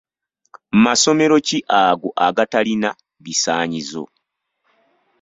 Masomero ki ago agatalina bisaanyizo?